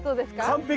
完璧。